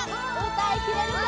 歌いきれるか？